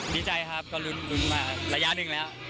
ดีใจครับก็ลุ้นมาระยะหนึ่งแล้ว